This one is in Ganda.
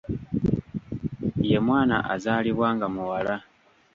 Ye mwana azaalibwa nga muwala.